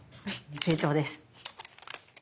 成長です。